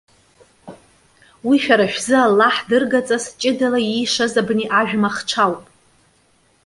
Уи шәара шәзы Аллаҳ дыргаҵас, ҷыдала иишаз абни ажәмахҽ ауп.